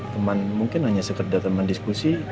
teman mungkin hanya sekedar teman diskusi